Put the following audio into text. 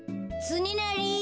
つねなり！